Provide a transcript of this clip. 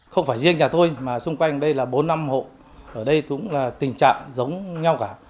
không phải riêng nhà thôi mà xung quanh đây là bốn năm hộ ở đây cũng là tình trạng giống nhau cả